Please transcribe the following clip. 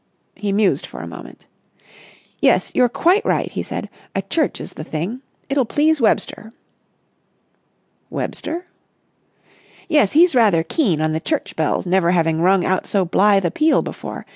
He mused for a moment. "Yes, you're quite right," he said. "A church is the thing. It'll please Webster." "Webster?" "Yes, he's rather keen on the church bells never having rung out so blithe a peal before.